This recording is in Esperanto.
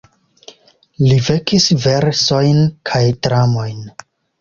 Li vekis versojn kaj dramojn.